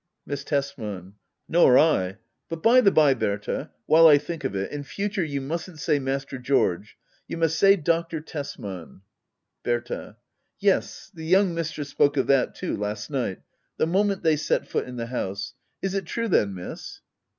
Miss Tesman. Nor I. — But by the bye, Berta — ^while I think of it : in future you mustn't say Master George. You must say Dr. Tesman. Bbrta. Yes, the young mistress spoke of that too— last night — ^the moment they set foot in the house. Is it true then. Miss